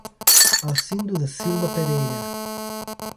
Alcindo da Silva Pereira